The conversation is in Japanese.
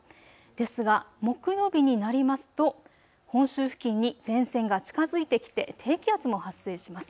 ですが木曜日になりますと本州付近に前線が近づいてきて低気圧も発生します。